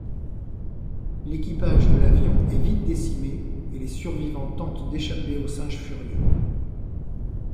L'équipage de l'avion est vite décimé et les survivants tentent d'échapper aux singes furieux.